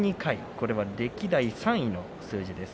これは歴代３位の数字です。